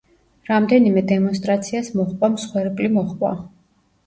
რამდენიმე დემონსტრაციას მოჰყვა მსხვერპლი მოჰყვა.